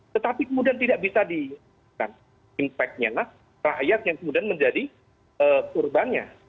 tetapi kemudian tidak bisa diimpaknya lah rakyat yang kemudian menjadi urbannya